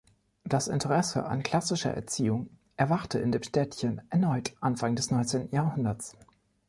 Das Interesse an klassischer Erziehung erwachte in dem Städtchen erneut Anfang des neunzehnten Jahrhunderts.